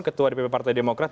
ketua dpp partai demokrat